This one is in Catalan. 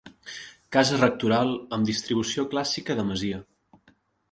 Casa rectoral amb distribució clàssica de masia.